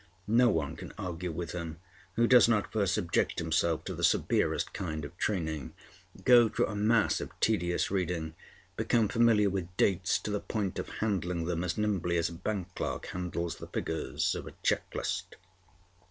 No one can argue with him who does not first subject himself to the severest kind of training, go through a mass of tedious reading, become familiar with dates to the point of handling them as nimbly as a bank clerk handles the figures of a check list.